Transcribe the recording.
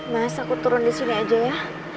mas aku turun di sini aja ya